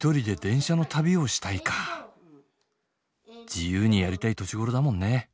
自由にやりたい年頃だもんね。